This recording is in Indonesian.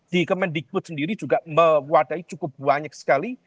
di kemendikbud sendiri juga mewadai cukup banyak sekali